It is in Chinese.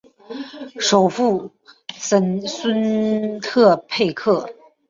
首府森孙特佩克。